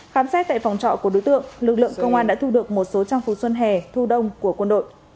khám xét tại phòng trọ của đối tượng lực lượng công an đã thu được một số trang phục xuân hè thu đông của quân đội